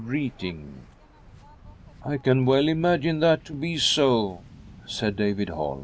greeting." " I can well imagine that to be so," said David Holm.